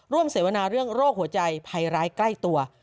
เสวนาเรื่องโรคหัวใจภัยร้ายใกล้ตัว